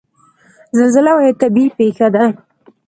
زلزله یوه طبعي پېښه ده.